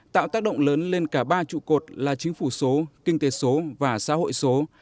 tạo tác động lớn lên cả ba trụ cột là chính phủ số kinh tế số và xã hội số